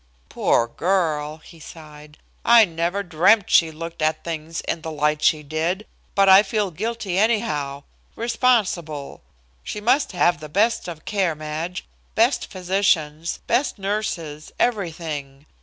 "Poor girl," he sighed. "I never dreamed she looked at things in the light she did, but I feel guilty anyhow, responsible. She must have the best of care, Madge, best physicians, best nurses, everything.